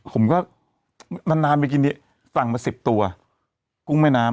ผมก็นานนานไปกินนี้สั่งมา๑๐ตัวกุ้งแม่น้ำ